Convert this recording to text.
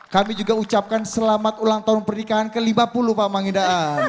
kami juga ucapkan selamat ulang tahun pernikahan ke lima puluh pak mangindaan